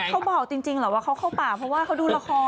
เขาบอกจริงเหรอว่าเขาเข้าป่าเพราะว่าเขาดูละคร